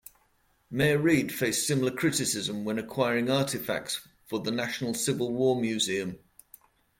Mayor Reed faced similar criticism when acquiring artifacts for the National Civil War Museum.